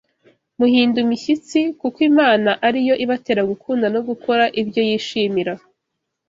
muhinda imishyitsi, kuko Imana ari yo ibatera gukunda no gukora ibyo yishimira